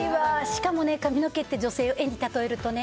しかも髪の毛って女性を絵に例えるとね